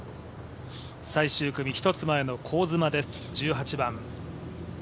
最終組１つ前の香妻です、１８番。